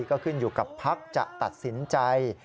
ก็ขึ้นอยู่กับภักดิ์จะตัดสินใจ